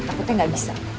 takutnya gak bisa